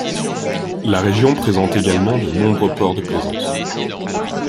La région présente également de nombreux ports de plaisance.